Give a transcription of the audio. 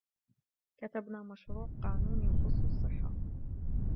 كتبن مشروع قانون يخص الصحة